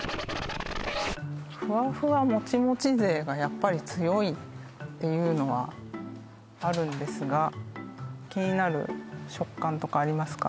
ふわふわモチモチ勢がやっぱり強いっていうのはあるんですが気になる食感とかありますか？